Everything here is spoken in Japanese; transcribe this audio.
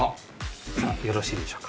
よろしいでしょうか？